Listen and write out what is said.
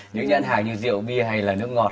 những nhân hài như rượu bia hay là nước ngọt